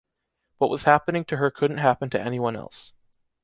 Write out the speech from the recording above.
What was happening to her couldn’t happen to anyone else.